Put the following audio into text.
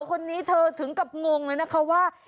คนนี้เธอถึงกับงงเลยนะคะว่า